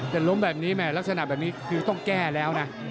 แต่ล้มแบบนี้แม่ลักษณะแบบนี้คือต้องแก้แล้วนะ